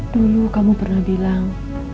dulu kamu pernah bilang